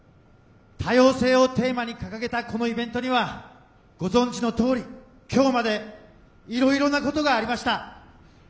「多様性」をテーマに掲げたこのイベントにはご存じのとおり今日までいろいろなことがありました。